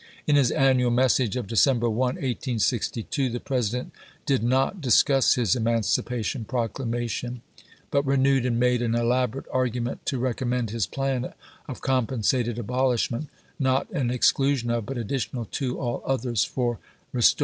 In his annual message of December 1, 1862, the President did not discuss his Emancipation Proclamation, but renewed and made an elaborate argument to recom mend his plan of compensated abolishment, " not in exclusion of, but additional to, all others for restor EMANCIPATION ANNOUNCED 171 1862.